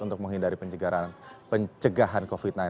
untuk menghindari pencegahan covid sembilan belas